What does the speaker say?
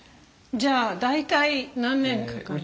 じゃあ大体何年かかる？